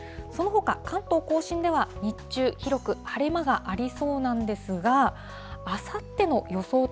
そのほか、関東甲信では日中、広く晴れ間がありそうなんですが、あさっての予想